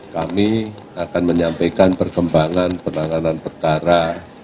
kami akan menyampaikan perkembangan penanganan perkara